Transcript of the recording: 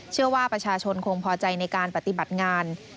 เชื่อว่าประชาชนคงพอใจในการปฏิบัติงาน